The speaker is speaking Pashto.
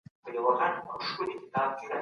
خلګ پورته کړئ.